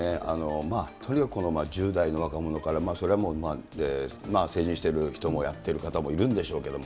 まあとにかくこの１０代の若者から、それはもう成人している人もやってる方もいるんでしょうけども。